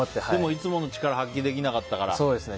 いつもの力発揮できなかったから。